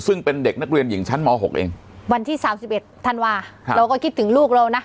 ซึ่งเป็นเด็กนักเรียนหญิงชั้นม๖เองวันที่๓๑ธันวาเราก็คิดถึงลูกเรานะ